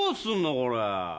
これ。